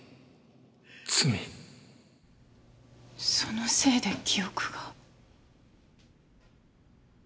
そのせいで記憶が。